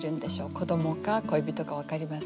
子どもか恋人か分かりません。